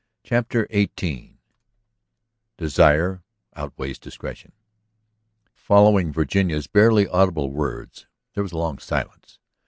CHAPTER XVIII DESIRE OUTWEIGHS DISCRETION Following Virginia's barely audible words there was a long silence.